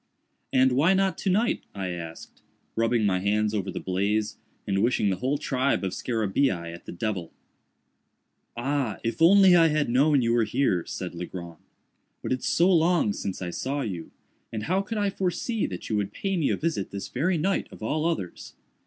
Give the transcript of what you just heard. "And why not to night?" I asked, rubbing my hands over the blaze, and wishing the whole tribe of scarabæi at the devil. "Ah, if I had only known you were here!" said Legrand, "but it's so long since I saw you; and how could I foresee that you would pay me a visit this very night of all others?